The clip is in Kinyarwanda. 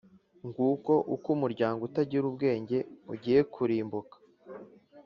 Nguko uko umuryango utagira ubwenge ugiye kurimbuka!